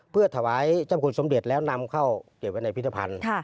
เพื่อถวายเจ้าคุณสมเด็จแล้วนำเข้าเก็บไว้ในพิธภัณฑ์